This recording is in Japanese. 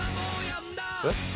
えっ？